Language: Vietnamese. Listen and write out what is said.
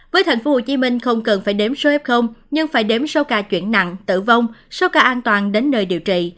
với tp hcm không cần phải đếm số f nhưng phải đếm số ca chuyển nặng tử vong số ca an toàn đến nơi điều trị